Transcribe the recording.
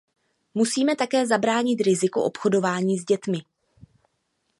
Musíme také zabránit riziku obchodování s dětmi.